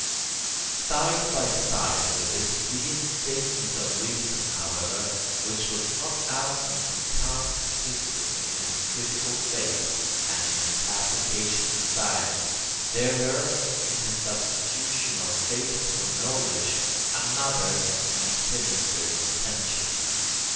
] Side by side with this reinstatement of reason, however, which was not absent from Kant's system in its critical phase and in its application to science, there lurked in his substitution of faith for knowledge another and sinister intention.